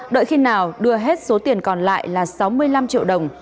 đợi khi nào đưa hết số tiền còn lại là sáu mươi năm triệu đồng